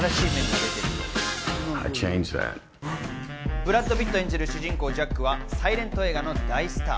ブラッド・ピット演じる主人公・ジャックはサイレント映画の大スター。